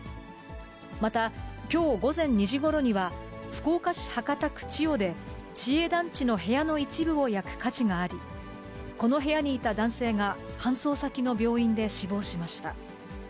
また、きょう午前２時ごろには、福岡市博多区千代で、市営団地の部屋の一部を焼く火事があり、この部屋にいた男性が搬送先の病院で死亡しました。